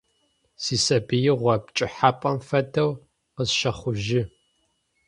Сисабыигъо пкӀыхьапӀэм фэдэу къысщэхъужьы.